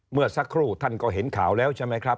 เมื่อสักครู่ท่านก็เห็นข่าวแล้ว